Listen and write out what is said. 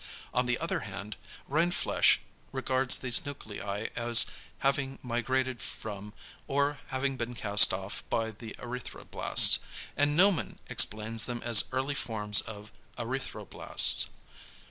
On the other hand Rindfleisch regards these nuclei as having migrated from, or having been cast off by the erythroblasts; and Neumann explains them as the early forms of erythroblasts.